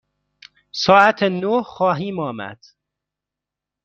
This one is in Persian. ساعت نه خواهیم آمد.